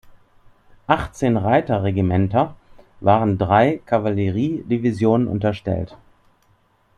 Achtzehn Reiter-Regimenter waren drei Kavalleriedivisionen unterstellt.